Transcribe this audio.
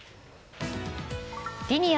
リニア